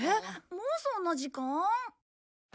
もうそんな時間？